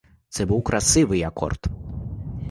Це був красивий акорд.